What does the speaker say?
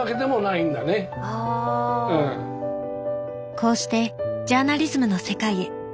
こうしてジャーナリズムの世界へ。